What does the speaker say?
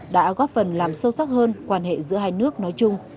đã góp phần làm sâu sắc hơn quan hệ giữa hai nước nói chung